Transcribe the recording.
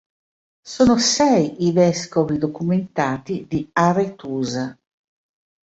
Sono sei i vescovi documentati di Aretusa.